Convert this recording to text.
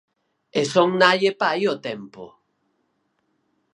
E son nai e pai ao tempo.